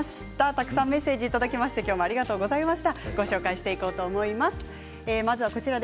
たくさんメッセージをいただきましてありがとうございます。